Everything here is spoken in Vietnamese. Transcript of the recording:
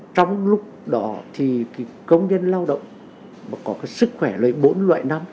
trong lúc đó thì công nhân lao động mà có sức khỏe lời bốn loại năm